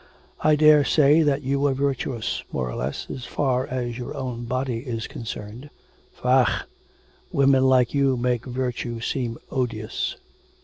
'I daresay that you were virtuous, more or less, as far as your own body is concerned. Faugh! Women like you make virtue seem odious.'